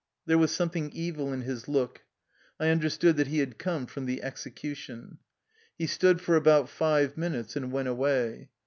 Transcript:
There was something evil in his look. I understood that he had come from the execution. He stood for about five minutes and went away.